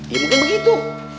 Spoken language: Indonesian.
ya mungkin begitu